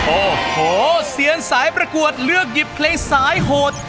โอ้โหเสียงสายประกวดเลือกหยิบเพลงสายโหด